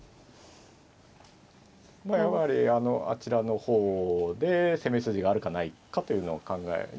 まあやはりあちらの方で攻め筋があるかないかというのを考えて。